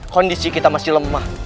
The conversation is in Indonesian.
kondisi kita masih lemah